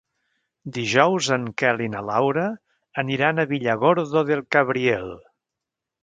Dijous en Quel i na Laura aniran a Villargordo del Cabriel.